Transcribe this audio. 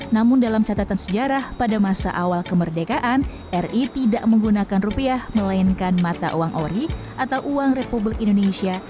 namun dalam catatan sejarah pada masa awal kemerdekaan ri tidak menggunakan rupiah melainkan mata uang ori atau uang republik indonesia